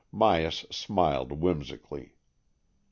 Myas smiled whimsically.